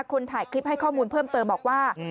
คนถ่ายคลิปให้ข้อมูลเพิ่มเติมบอกว่า